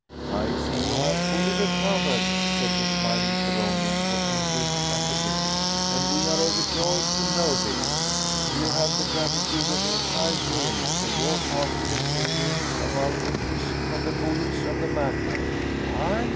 "I see you have fully recovered," said the smiling Theronian who entered at the bidding, "and we are overjoyed to know this. You have the gratitude of the entire realm for your part in the saving of our empress from the bullets of the madman." "I?"